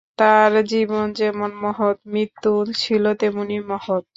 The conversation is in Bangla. তাঁর জীবন যেমন মহৎ, মৃত্যুও ছিল তেমনি মহৎ।